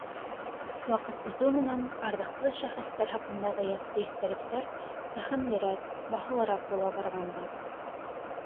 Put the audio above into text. Ваҡыт үтеү менән арҙаҡлы шәхестәр хаҡындағы яҡты иҫтәлектәр фәһемлерәк, баһалыраҡ була барғандай.